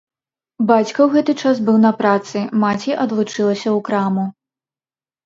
Бацька ў гэты час быў на працы, маці адлучылася ў краму.